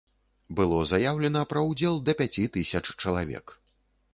Было заяўлена пра ўдзел да пяці тысяч чалавек.